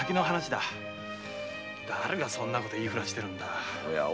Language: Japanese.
だれがそんなこと言いふらしてるんだ。